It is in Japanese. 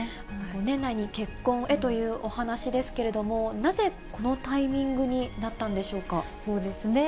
年内に結婚へというお話ですけれども、なぜこのタイミングにそうですね。